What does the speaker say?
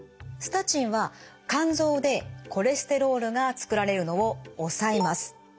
スタチンは肝臓でコレステロールが作られるのを抑えます。